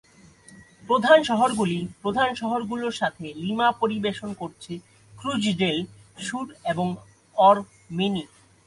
প্রধান শহরগুলি প্রধান শহরগুলোর সাথে লিমা পরিবেশন করছে ক্রুজ ডেল সুর এবং অরমেনি।